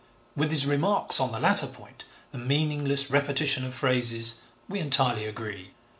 With his remarks on the latter point, the meaningless repetition of phrases, we entirely agree.